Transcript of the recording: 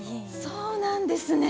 そうなんですね。